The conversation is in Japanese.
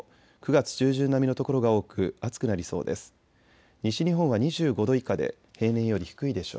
９月中旬並みの所が多く暑くなりそうです。